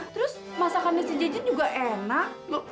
terus masakan si jejen juga enak